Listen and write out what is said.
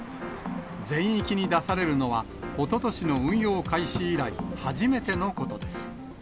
全域に出されるのはおととしの運用開始以来初めてのことです。